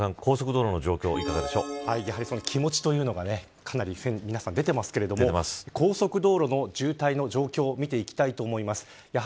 西岡さん、高速道路の状況気持ちというのが皆さん出ていますが、高速道路の渋滞の状況を見ていきたいと思います。